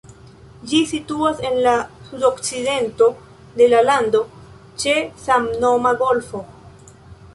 Ĝi situas en la sudokcidento de la lando ĉe samnoma golfo.